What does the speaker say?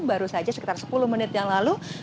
baru saja sekitar sepuluh menit yang lalu